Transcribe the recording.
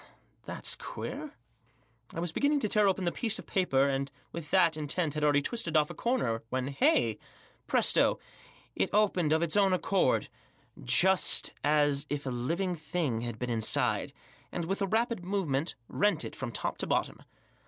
— That's queer I " I was beginning to tear open the piece of paper, and with that intent had already twisted off a corner, when, hey presto ! it opened of its own accord, just as Digitized by if a living thing had been Inside, and, with a rapid movement, rent it from top to bottom.